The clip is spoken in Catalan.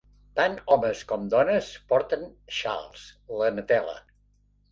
Tant homes com dones porten xals, la "netela".